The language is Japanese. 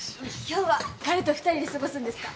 今日は彼と２人で過ごすんですか？